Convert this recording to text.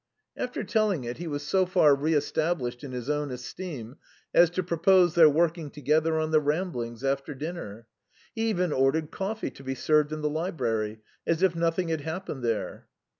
After telling it he was so far re established in his own esteem as to propose their working together on the Ramblings after dinner. He even ordered coffee to be served in the library, as if nothing had happened there.